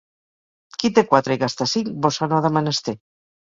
Qui té quatre i gasta cinc, bossa no ha de menester.